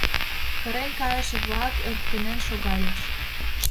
Кырен кайыше-влак ӧрткынен шогальыч.